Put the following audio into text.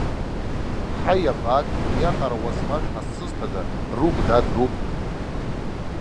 Ҳаи, абаак, уиаҟара ауазмажнаст сызҭада, руп, дад, руп!